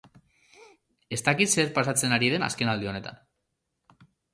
Ez dakit zer pasatzen ari den azken aldi honetan.